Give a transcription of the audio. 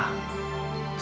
semuanya itu tidak benar